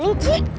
tengok ke kanan